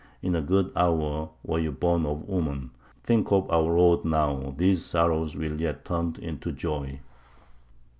In a good hour were you born of woman. Think of our road now; these sorrows will yet be turned into joy."